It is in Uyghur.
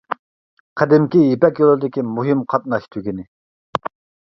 قەدىمكى يىپەك يولىدىكى مۇھىم قاتناش تۈگىنى.